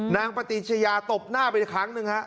นางปฏิชยาตบหน้าไปครั้งหนึ่งฮะ